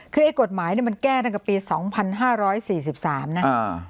คือไอ้กฎหมายเนี่ยมันแก้ตั้งกับปีสองพันห้าร้อยสี่สิบสามน่ะอ่า